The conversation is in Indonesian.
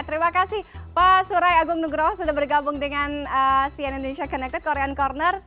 terima kasih pak surai agung nugroho sudah bergabung dengan cn indonesia connected korean corner